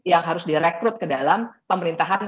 yang harus direkrut ke dalam pemerintahan